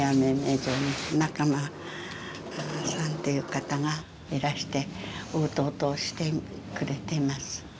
仲間さんっていう方がいらしてウートートーしてくれています。